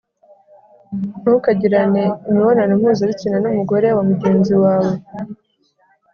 Ntukagirane imibonano mpuzabitsina n’umugore wa mugenzi wawe